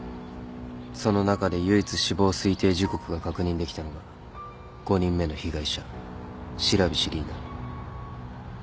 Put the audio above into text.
その中で唯一死亡推定時刻が確認できたのが５人目の被害者白菱凜だ。